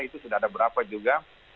itu sudah ada berapa juga